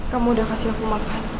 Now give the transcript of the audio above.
kamu udah kasih aku makan